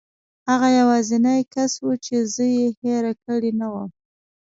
هغه یوازینی کس و چې زه یې هېره کړې نه وم.